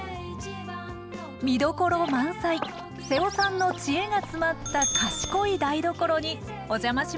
見どころ満載！瀬尾さんの知恵が詰まった「賢い台所」にお邪魔します